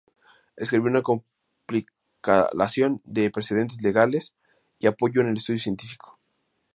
Escribió una compilación de precedentes legales y apoyó el estudio científico.